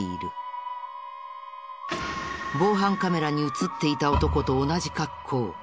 防犯カメラに映っていた男と同じ格好。